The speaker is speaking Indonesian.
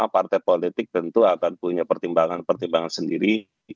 karena partai politik tentu akan punya pertimbangan pertimbangan sendiri